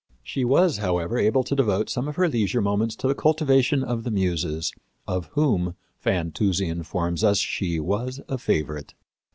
She was, however, able to devote some of her leisure moments to the cultivation of the Muses, of whom, Fantuzzi informs us, she was a favorite.